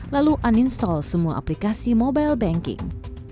lalu uninstall semua aplikasi mobile banking